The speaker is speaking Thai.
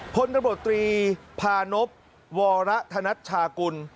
ผลกระบบตรีพาณพวรธนัดชากุล